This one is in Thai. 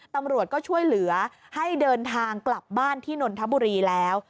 ตำรวจก็ช่วยเหลือให้เดินทางกลับบ้านที่นนทบุรีแล้ว